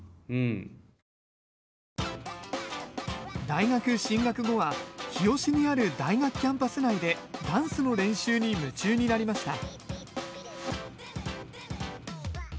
大学進学後は日吉にある大学キャンパス内でダンスの練習に夢中になりました。